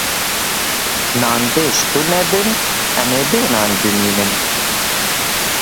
Nanpêj tune bin, em ê bê nan bimînin.